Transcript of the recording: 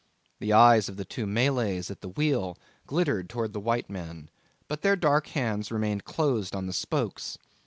The eyes of the two Malays at the wheel glittered towards the white men, but their dark hands remained closed on the spokes.